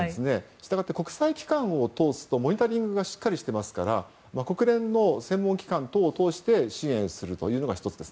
従って、国際機関を通すとモニタリングがしっかりしてますから国連の専門機関等を通して支援するというのが１つです。